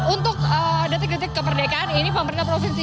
untuk detik detik kemerdekaan ini